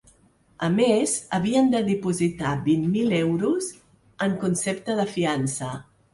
A més, havien de dipositar vint mil euros en concepte de fiança.